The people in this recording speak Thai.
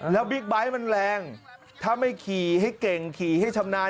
แล้วบิ๊กไบท์มันแรงถ้าไม่ขี่ให้เก่งขี่ให้ชำนาญ